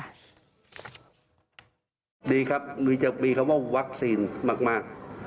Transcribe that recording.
ดีครับมีจะมีคำว่าวัคซีนมาก